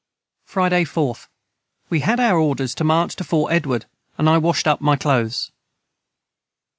Friday 4th. We had orders to march to Fort Edward & I washed up my clothes.